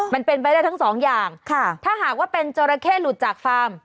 มันเป็นไปได้ทั้งสองอย่างค่ะถ้าหากว่าเป็นจราเข้หลุดจากฟาร์ม